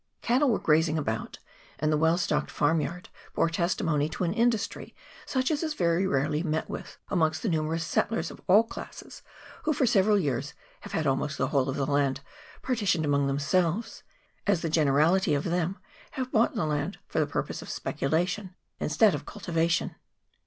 Cattle were graz ing about, and the well stocked farm yard bore testimony to an industry such as is very rarely met CHAP, xiii.] MR. SOUTHEE'S FARM. 215 with amongst the numerous settlers of all classes who for several years have had almost the whole of the land partitioned amongst themselves, as the generality of them have bought the land for the purpose of speculation, instead of cultivation."